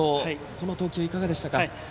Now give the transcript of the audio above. この投球いかがでしたか？